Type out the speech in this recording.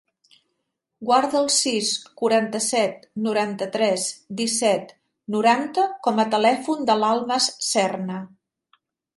Guarda el sis, quaranta-set, noranta-tres, disset, noranta com a telèfon de l'Almas Serna.